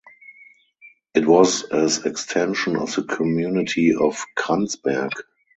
It was as extension of the community of Kranzberg.